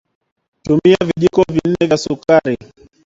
tumia Vijiko vinne vya sukari